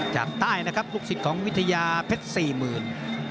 จากใต้นะครับลูกศิษย์ของวิทยาเพชร๔๐๐๐๐